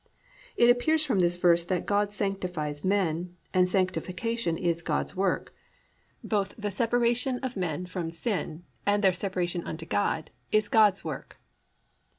"+ It appears from this verse that God sanctifies men, and Sanctification is God's work. Both the separation of men from sin and their separation unto God, is God's work.